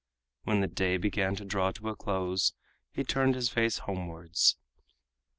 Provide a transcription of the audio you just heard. When the day began to draw to a close, he turned his face homewards.